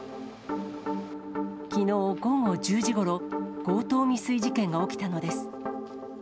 きのう午後１０時ごろ、強盗未遂事件が起きたのです。